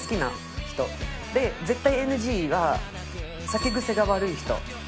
で絶対ＮＧは酒癖が悪い人。